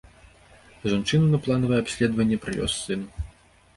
Жанчыну на планавае абследаванне прывёз сын.